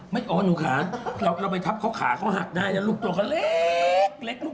อ๋อหนูขาเราไปทับเขาขาเขาหักได้นะลูกตัวเขาเล็กลูก